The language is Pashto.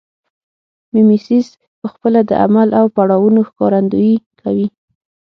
میمیسیس پخپله د عمل او پړاوونو ښکارندویي کوي